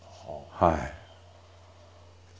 はい。